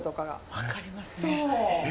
分かりますね。